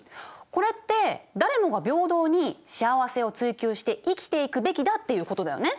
これって誰もが平等に幸せを追求して生きていくべきだっていうことだよね。